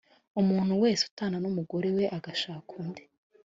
umuntu wese utana n umugore we agashaka undi